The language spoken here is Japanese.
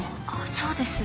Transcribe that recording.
そうです。